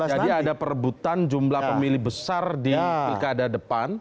jadi ada perebutan jumlah pemilih besar di pilkada depan